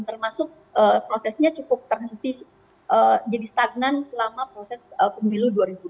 termasuk prosesnya cukup terhenti jadi stagnan selama proses pemilu dua ribu dua puluh